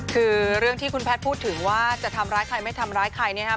คือเรื่องที่คุณแพทย์พูดถึงว่าจะทำร้ายใครไม่ทำร้ายใครเนี่ยนะครับ